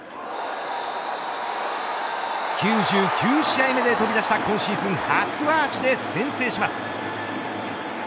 ９９試合目で飛び出した今シーズン初アーチで先制します。